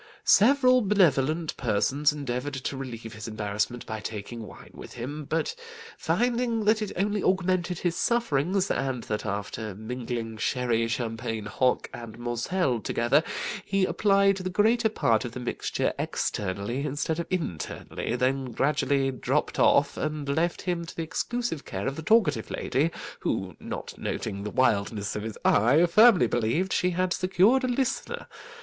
Several benevolent persons endeavoured to relieve his embarrassment by taking wine with him, but finding that it only augmented his sufferings, and that after mingling sherry, champagne, hock, and moselle together, he applied the greater part of the mixture externally, instead of internally, they gradually dropped off, and left him to the exclusive care of the talkative lady, who, not noting the wildness of his eye, firmly believed she had secured a listener.